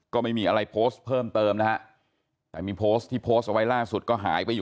ก็ไม่มีอะไรโพสต์เพิ่มเติมนะฮะ